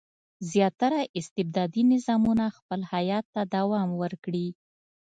زیاتره استبدادي نظامونه خپل حیات ته دوام ورکړي.